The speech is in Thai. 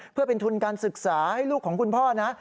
เพื่อเป็นทุนการศึกษาให้ลูกของคุณพ่อนะ